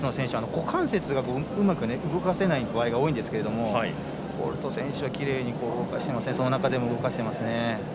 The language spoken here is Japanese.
股関節がうまく動かせない場合が多いんですがホルト選手はきれいにその中でもおなかでも動かしていますね。